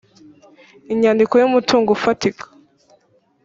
inyandiko y’umutungo ufatika